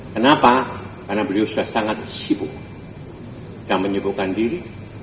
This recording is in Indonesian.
kenapa karena beliau sudah sangat sibuk dan menyebukkan diri